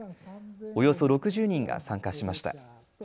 およそ６０人が参加しました。